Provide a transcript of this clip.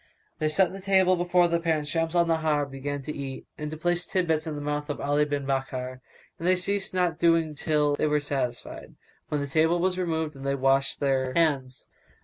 They set the table before the pair and Shams al Nahar began to eat[FN#181] and to place tid bits in the mouth of Ali bin Bakkar; and they ceased not so doing till they were satisfied, when the table was removed and they washed their hands.